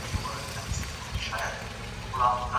قول یو پښتو یوه ده او غفلت به پکښي نه وي